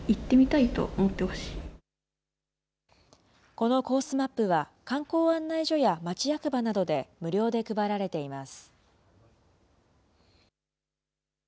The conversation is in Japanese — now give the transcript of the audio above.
このコースマップは、観光案内所や町役場などで無料で配られています。